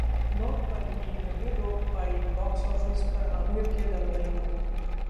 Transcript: नोटबंदी नहीं रोक पाई बॉक्स ऑफिस पर आमिर के दंगल को!